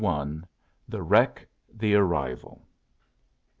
THE WRECK. — THE ARRIVAL.